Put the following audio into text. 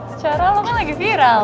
secara lo kan lagi viral